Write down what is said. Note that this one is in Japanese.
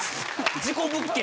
事故物件？